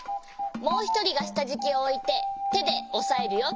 もうひとりがしたじきをおいててでおさえるよ。